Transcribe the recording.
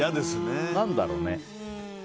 何だろうね。